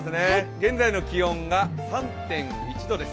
現在の気温が３．１度です。